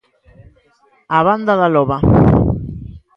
A Banda da Loba.